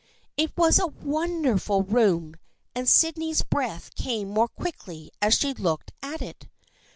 It was a wonderful room, and Sydney's breath came more quickly as she looked at it.